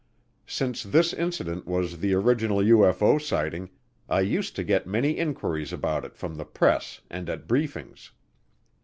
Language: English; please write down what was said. Since this incident was the original UFO sighting, I used to get many inquiries about it from the press and at briefings.